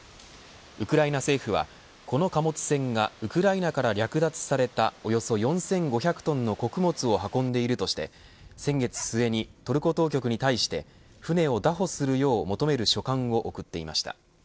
ウクライナ政府はこの貨物船がウクライナから略奪されたおよそ４５００トンの穀物を運んでいるとして先月末にトルコ当局に対して船を拿捕するよう求める書簡を送っていました。